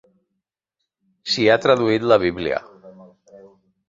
S'hi ha traduït la Bíblia.